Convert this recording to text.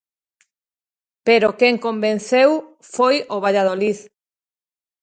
Pero quen convenceu foi o Valladolid.